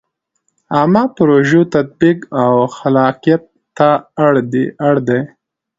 عامه پروژو تطبیق او خلاقیت ته اړ دی.